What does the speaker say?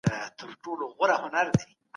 موږ د چاپیریال په پاک ساتلو اخته یو.